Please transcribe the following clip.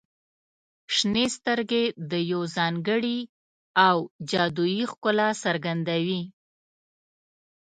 • شنې سترګې د یو ځانګړي او جادويي ښکلا څرګندوي.